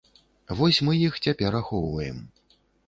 Вось мы іх цяпер ахоўваем.